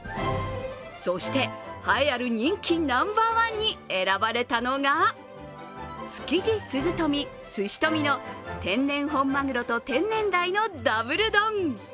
そして栄えある人気ナンバーワンに選ばれたのがつきじ鈴富すし富の天然本鮪と天然鯛のダブル丼。